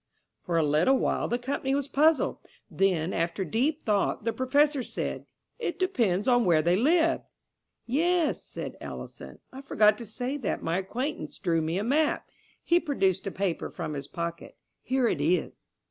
For a little while the company was puzzled. Then, after deep thought, the Professor said: "It depends on where they lived." "Yes," said Ellison. "I forgot to say that my acquaintance drew me a map." He produced a paper from his pocket. "Here it is."